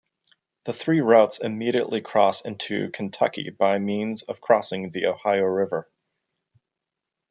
The three routes immediately cross into Kentucky by means of crossing the Ohio River.